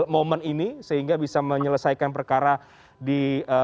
momen ini sehingga bisa menyelesaikan perkara di